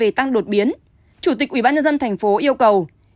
và các tỉnh tăng đột biến chủ tịch ubnd tp yêu cầu